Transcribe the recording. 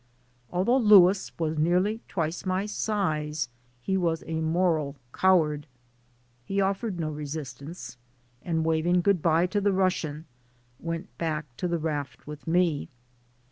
Although Louis was nearly twice my size, he was a moral coward. He offered no resistance, and waving good by to the Russian, went back to the raft with me.